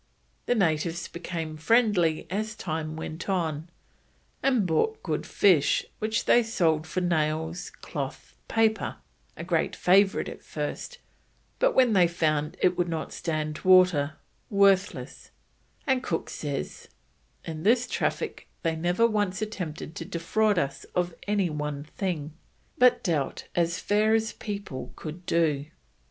The natives became friendly as time went on, and brought good fish which they sold for nails, cloth, paper (a great favourite at first, but when they found it would not stand water, worthless), and Cook says: "In this Traffic they never once attempted to defraud us of any one thing, but dealt as fair as people could do."